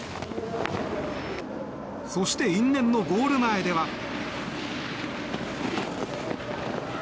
そして因縁のゴール前では。